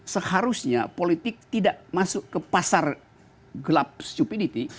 seharusnya politik tidak masuk ke pasar gelap stupidity